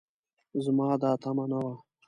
زما دا تمعه نه وه